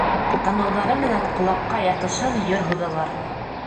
Танауҙары менән ҡолаҡҡа ятышһыҙ йыр һуҙалар.